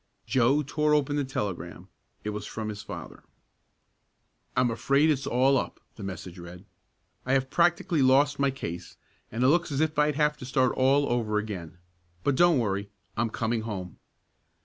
Joe tore open the telegram. It was from his father. "I'm afraid it's all up," the message read. "I have practically lost my case, and it looks as if I'd have to start all over again. But don't worry. I'm coming home."